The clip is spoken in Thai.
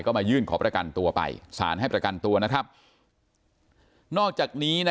ก็มายื่นขอประกันตัวไปสารให้ประกันตัวนะครับนอกจากนี้นะ